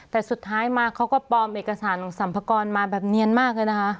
แต่สุดท้ายมาเขาก็ปลอมเอกสารของสัมภากรมาแบบเนียนมากเลยนะคะ